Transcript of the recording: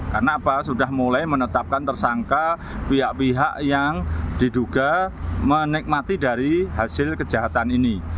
karena apa sudah mulai menetapkan tersangka pihak pihak yang diduga menikmati dari hasil kejahatan ini